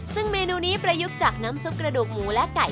ซึ่งเมนูนี้ประยุกต์จากน้ำซุปกระดูกหมูและไก่